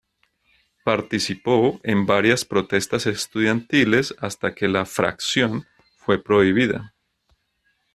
Participó en varias protestas estudiantiles hasta que la "Fracción" fue prohibida.